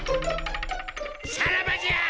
さらばじゃ！